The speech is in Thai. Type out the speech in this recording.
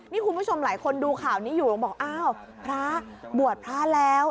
นี่คุณผู้ชมหลายคนดูข่าวนี้อยู่บอกอ้าวพระบวชพระแล้ว